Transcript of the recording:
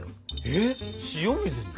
えっ塩水に？